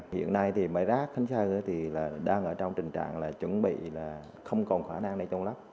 hiện nay thì bãi rác khánh sơn thì đang ở trong trình trạng là chuẩn bị là không còn khả năng này trong lớp